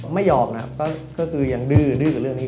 ไม่ยอมนะครับก็คือยังดื้อกับเรื่องนี้